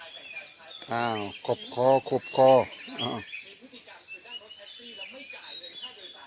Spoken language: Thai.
อาจารย์นั่นเองหลังจากครับที่ลงจากรบในภาพที่รัก